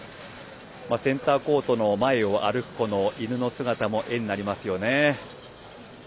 センターコートの前を歩く犬の姿も絵になりますよね。